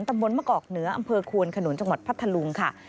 ตำบลมะกอกเหนืออำเภอควนขนุนจังหวัดพัทธลุงค่ะ